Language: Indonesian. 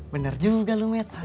benar juga lumet